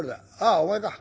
ああお前か。